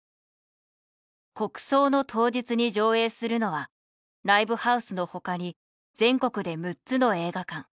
国葬の当日に上映するのはライブハウスの他に全国で６つの映画館。